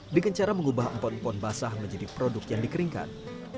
dengan cara mengubah empon empon basah menjadi produk yang dikeringkan